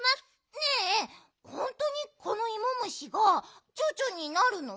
ねえほんとにこのイモ虫がチョウチョになるの？